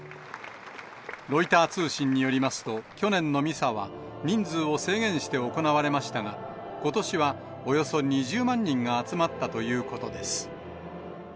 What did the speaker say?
ロイター通信によりますと、去年のミサは、人数を制限して行われましたが、ことしはおよそ２０万人が集まったということです。